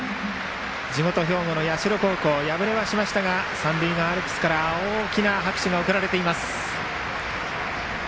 地元・兵庫の社高校敗れはしましたが三塁側アルプスから大きな拍手が送られています。